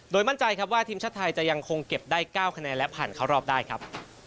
มั่นใจครับว่าทีมชาติไทยจะยังคงเก็บได้๙คะแนนและผ่านเข้ารอบได้ครับ